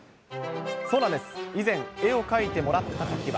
そうなんです、以前、絵を描いてもらったときは。